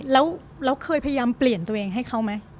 แล้วเราเคยพยายามเปลี่ยนตัวเองให้เขาไหม